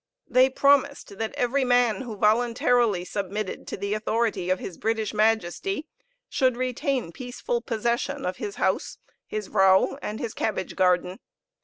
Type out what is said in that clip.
They promised that every man who voluntarily submitted to the authority of his British Majesty should retain peaceful possession of his house, his vrouw, and his cabbage garden.